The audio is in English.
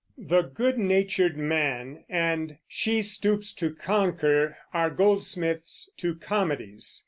The Good Natured Man and She Stoops to Conquer are Goldsmith's two comedies.